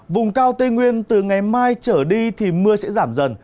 vùng cao tây nguyên từ ngày mai trở đi thì mưa sẽ giảm dần